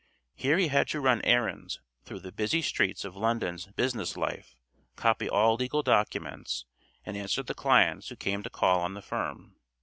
Here he had to run errands through the busy streets of London's business life, copy all legal documents, and answer the clients who came to call on the firm.